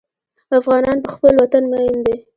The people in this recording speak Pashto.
افغانان په خپل وطن مین دي.